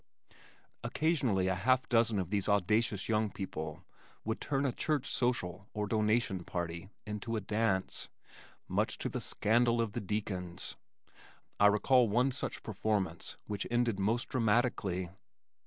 Occasionally a half dozen of these audacious young people would turn a church social or donation party into a dance, much to the scandal of the deacons. I recall one such performance which ended most dramatically.